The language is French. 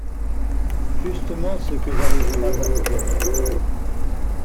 Justement ce que j'arrive pas à faire.